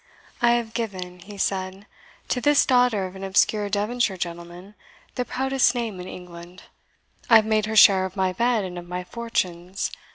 "I have given," he said, "to this daughter of an obscure Devonshire gentleman the proudest name in England. I have made her sharer of my bed and of my fortunes.